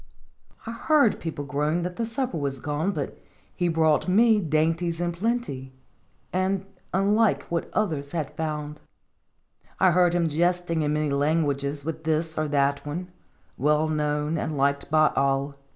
I heard people groan that the 60 Singeb ittotlje. supper was gone, but he brought me dainties in plenty, and unlike what others had found. I heard him jesting in many languages with this or that one, well known and liked by all.